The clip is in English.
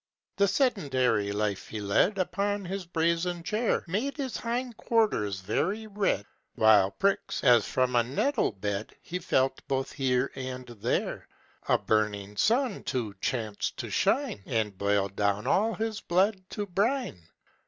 The sedentary life he led Upon his brazen chair Made his hindquarters very red, While pricks, as from a nettle bed, He felt both here and there: A burning sun, too, chanced to shine, And boiled down all his blood to brine.